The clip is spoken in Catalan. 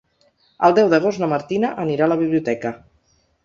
El deu d'agost na Martina anirà a la biblioteca.